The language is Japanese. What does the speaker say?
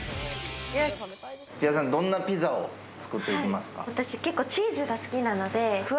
土屋さん、どんなピザを作っていきますか？